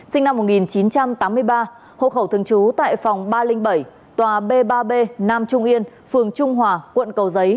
sinh năm một nghìn chín trăm tám mươi ba hộ khẩu thường trú tại phòng ba trăm linh bảy tòa b ba b nam trung yên phường trung hòa quận cầu giấy